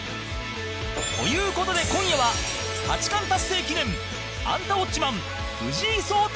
という事で、今夜は八冠達成記念『アンタウォッチマン！』藤井聡太